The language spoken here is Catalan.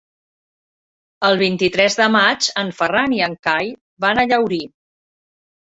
El vint-i-tres de maig en Ferran i en Cai van a Llaurí.